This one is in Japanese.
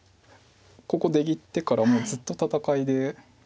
ここ出切ってからもうずっと戦いで。